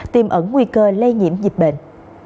tìm ẩn nguy cơ lây nhiễm dịch bệnh